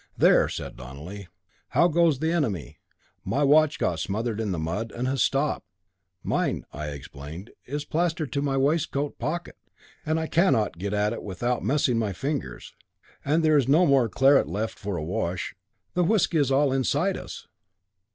"There," said Donelly. "How goes the enemy? My watch got smothered in the mud, and has stopped." "Mine," I explained, "is plastered into my waistcoat pocket, and I cannot get at it without messing my fingers, and there is no more claret left for a wash; the whisky is all inside us."